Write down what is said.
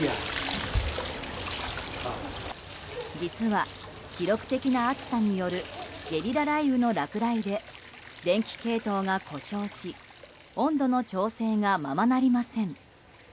実は記録的な暑さによるゲリラ雷雨の落雷で電気系統が故障し温度の調整がままなりません。